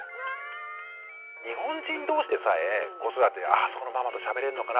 日本人同士でさえ子育てあそこのママとしゃべれんのかな？